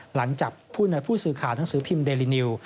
หลังจากผู้สื่อข่าวหนังสือพิมพ์เดลินิว